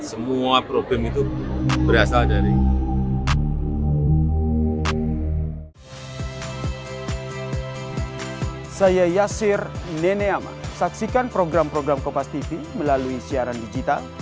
semua problem itu berasal dari itu